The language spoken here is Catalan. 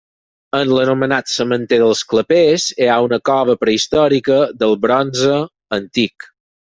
En l'anomenat sementer dels Clapers hi ha una cova prehistòrica del bronze antic.